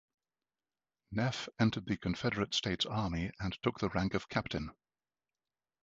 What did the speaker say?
Neff entered the Confederate States Army and took the rank of captain.